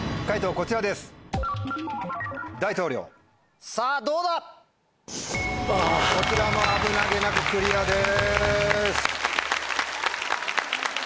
こちらも危なげなくクリアです。